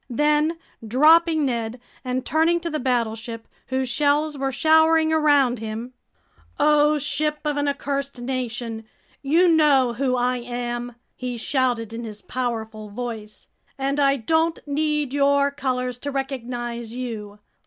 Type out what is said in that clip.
Then, dropping Ned and turning to the battleship, whose shells were showering around him: "O ship of an accursed nation, you know who I am!" he shouted in his powerful voice. "And I don't need your colors to recognize you!